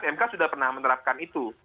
mk sudah pernah menerapkan itu